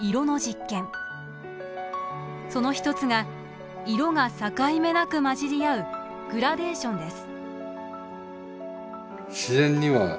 その一つが色が境目なく混じり合うグラデーションです。